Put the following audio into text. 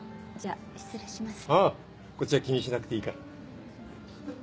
ああこっちは気にしなくていいから。